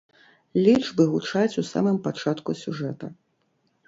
Лічбы гучаць у самым пачатку сюжэта.